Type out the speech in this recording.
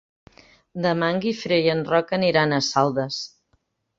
Demà en Guifré i en Roc aniran a Saldes.